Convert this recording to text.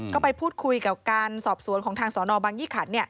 ก็ไปพูดคุยกับการสอบสวนของทางสนบังยี่ขัน